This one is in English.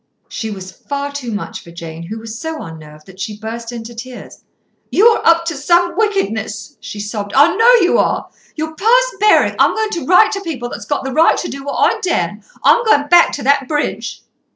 She was far too much for Jane, who was so unnerved that she burst into tears. "You are up to some wickedness," she sobbed; "I know you are. You're past bearing. I'm going to write to people that's got the right to do what I daren't. I'm going back to that bridge."